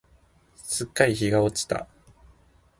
すっかり日が落ちた。